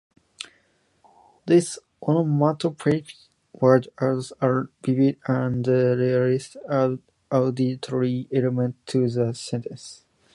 This onomatopoeic word adds a vivid and realistic auditory element to the sentence.